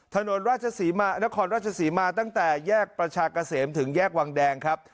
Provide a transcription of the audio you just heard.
ถนนราชศรีมานครราชศรีมาตั้งแต่แยกประชากะเสมถึงแยกวังแดงครับ